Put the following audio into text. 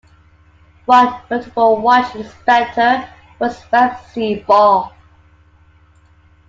One notable watch inspector was Webb C. Ball.